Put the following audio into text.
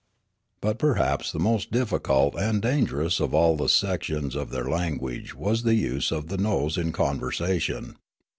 But perhaps the most difficult and dangerous of all the sections of their language was the use of the nose in conversation.